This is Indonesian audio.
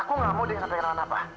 aku nggak mau dia ngasah kenalan apa